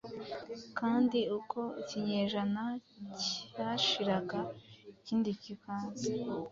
kandi uko ikinyejana cyashiraga ikindi kikaza,